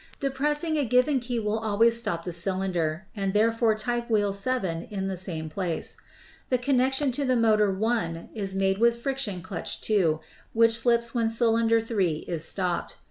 Depressing a given key will always stop the cylinder and therefore type wheel 7 in the same place. The con nection to the motor 1 is made with friction clutch 2,, which slips when cylinder 3 is stopped.